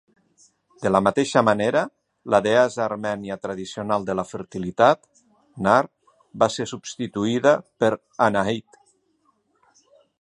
De la mateixa manera, la deessa armènia tradicional de la fertilitat, Nar, va ser substituïda per Anahit.